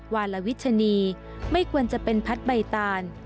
วาลวิชนีไม่ควรจะเป็นพัดใบตาล